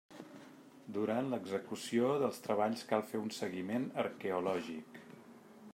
Durant l'execució dels treballs cal fer un seguiment arqueològic.